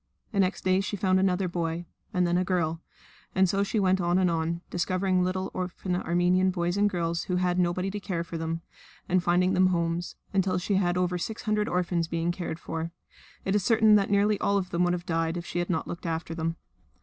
The next day she found another boy, and then a girl, and so she went on and on, discovering little orphan Armenian boys and girls who had nobody to care for them, and finding them homes until she had over six hundred orphans being cared for. It is certain that nearly all of them would have died if she had not looked after them.